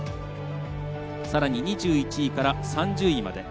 さらに２１位から３０位まで。